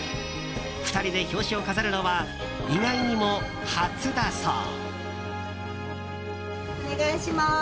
２人で表紙を飾るのは意外にも初だそう。